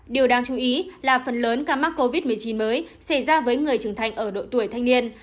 điều đáng chú ý là phần lớn ca mắc covid một mươi chín mới xảy ra với người trưởng thành ở độ tuổi thanh niên